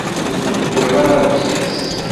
Ur t-wεiɣ ara ad d-yas.